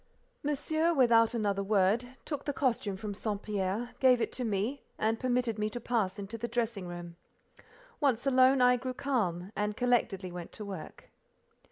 Monsieur, without another word, took the costume from St. Pierre, gave it to me, and permitted me to pass into the dressing room. Once alone, I grew calm, and collectedly went to work.